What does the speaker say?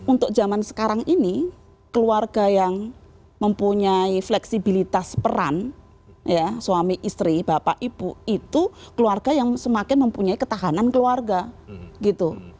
untuk zaman sekarang ini keluarga yang mempunyai fleksibilitas peran suami istri bapak ibu itu keluarga yang semakin mempunyai ketahanan keluarga gitu